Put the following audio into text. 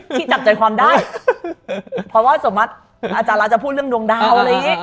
ที่จับใจความได้เพราะว่าสมมติอาจารย์จะพูดเรื่องดวงดาว